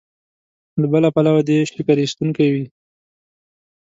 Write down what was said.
له بل پلوه دې شکر ایستونکی وي.